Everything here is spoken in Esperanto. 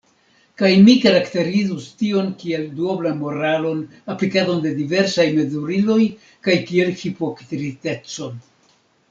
Kaj mi karakterizus tion kiel duoblan moralon, aplikadon de diversaj mezuriloj kaj kiel hipokritecon.